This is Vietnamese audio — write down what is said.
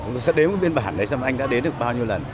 chúng tôi sẽ đếm biên bản đấy xem anh đã đến được bao nhiêu lần